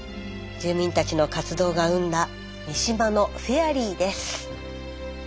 住民たちの活動が生んだ三島のフェアリーです。